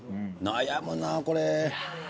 悩むなこれ。